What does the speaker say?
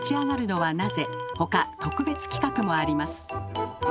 特別企画もあります。